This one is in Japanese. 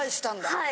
はい。